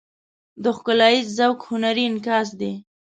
د ښکلاییز ذوق هنري انعکاس دی.